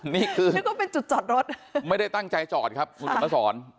นี่คือนี่ก็เป็นจุดจอดรถไม่ได้ตั้งใจจอดครับคุณสมสรรค์